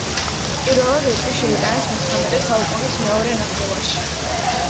პირველად ეჭვი შეიტანეს მეცხრამეტე საუკუნის მეორე ნახევარში.